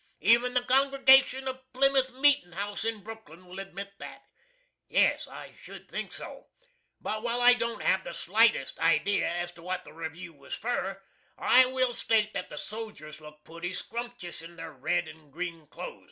Even the congregation of Plymouth Meetin' House in Brooklyn will admit that. Yes, I should think so. But while I don't have the slitest idee as to what the review was fur, I will state that the sojers looked pooty scrumptious in their red and green close.